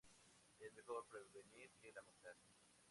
Es mejor prevenir que lamentar